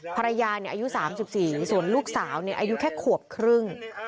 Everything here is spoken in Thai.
ภรรยาเนี่ยอายุ๓๔ส่วนลูกสาวเนี่ยอายุแค่ขวบครึ่ง